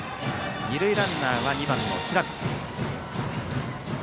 二塁ランナーは２番の平見。